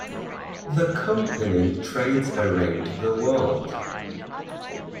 The company trades around the world.